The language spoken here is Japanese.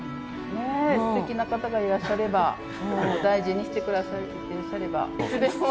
ねえすてきな方がいらっしゃれば大事にして下さる方がいらっしゃればいつでも。